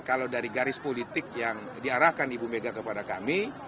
yang diarahkan ibu megawati soekarno putri kepada kami